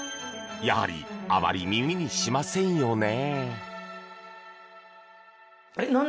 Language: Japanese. やはりあまり耳にしませんよね。